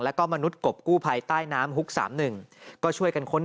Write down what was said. แล้วก็มนุษย์กบกู้ภัยใต้น้ำฮุก๓๑ก็ช่วยกันค้น